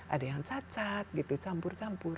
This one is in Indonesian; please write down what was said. ada yang cacat gitu campur campur